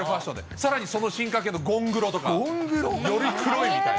さらにその進化系のゴン黒とか。より黒いみたいな。